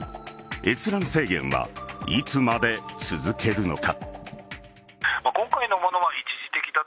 閲覧制限はいつまで続けるのか。